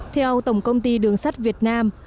theo tổng công ty đường sắt việt nam